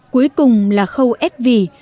cuối cùng là khâu ép vỉ